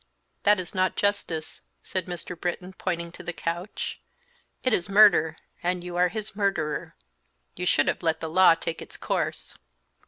"That is not justice," said Mr. Britton, pointing to the couch; "it is murder, and you are his murderer. You should have let the law take its course."